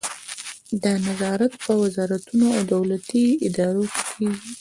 دا نظارت په وزارتونو او دولتي ادارو کې کیږي.